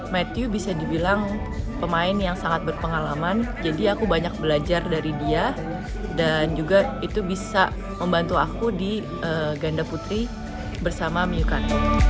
matthew bisa dibilang pemain yang sangat berpengalaman jadi aku banyak belajar dari dia dan juga itu bisa membantu aku di ganda putri bersama miu kan